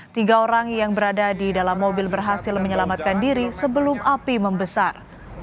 tiga orang yang berada di dalam mobil berhasil menyelamatkan diri sebelum api membesar